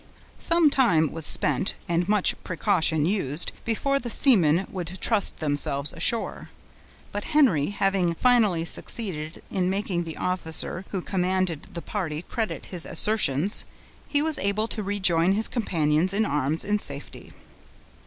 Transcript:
Some time was spent, and much precaution used, before the seamen would trust themselves ashore; but Henry having finally succeeded in making the officer who commanded the party credit his assertions, he was able to rejoin his companions in arms in safety.